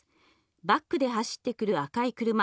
バックで走ってくる赤い車。